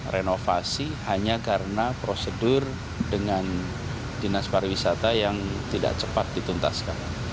renovasi hanya karena prosedur dengan dinas pariwisata yang tidak cepat dituntaskan